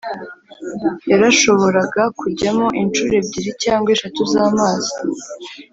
Yarashoboraga kujyamo incuro ebyiri cyangwa eshatu z amazi